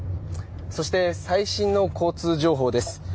そして、最新の交通情報です。